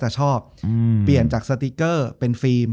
จบการโรงแรมจบการโรงแรม